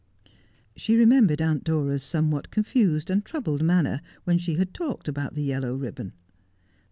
She remembered Aunt Dora's somewhat confused and troubled manner when she had talked about the yellow ribbon.